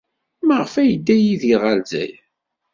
Maɣef ay yedda Yidir ɣer Lezzayer?